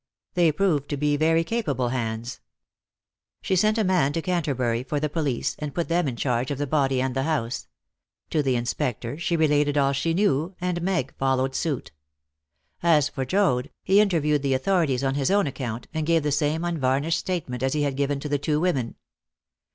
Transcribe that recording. They proved to be very capable hands. She sent a man to Canterbury for the police, and put them in charge of the body and the house. To the inspector she related all she knew, and Meg followed suit. As for Joad, he interviewed the authorities on his own account, and gave the same unvarnished statement as he had given to the two women.